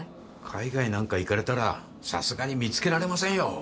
海外なんか行かれたらさすがに見つけられませんよ。